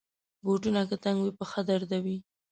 بوټونه که تنګ وي، پښه دردوي.